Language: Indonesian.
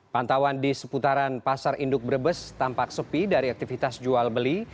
pantauan di seputaran pasar induk brebes tampak sepi dari aktivitas jual beli